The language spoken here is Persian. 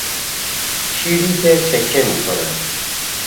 شیری که چکه میکند.